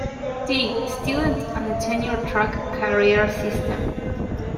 D, students and a tenure track carrier system.